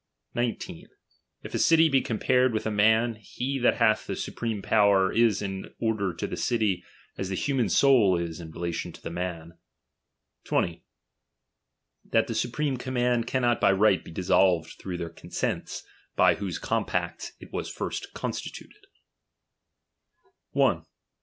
19. If a city be compared with a man, he that hath tlie supreme power is in order to the city, as the human soul is in relation to the man. 20. That the supreme command cannot by right be dissolved through their consents, by whose compacts it was lirst constituted. righlbe bated U I 72 DOMINION.